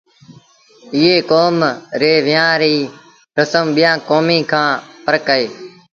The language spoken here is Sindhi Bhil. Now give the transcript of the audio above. ايئ ڪوم ري ويهآݩ ريٚ رسم ٻيآݩ ڪوميݩ کآݩ ڦرڪ اهي